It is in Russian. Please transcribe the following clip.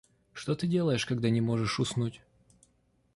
Что ты делаешь, когда не можешь уснуть?